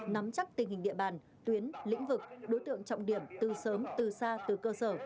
nắm chắc tình hình địa bàn tuyến lĩnh vực đối tượng trọng điểm từ sớm từ xa từ cơ sở